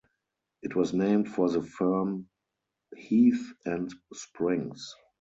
It was named for the firm Heath and Springs.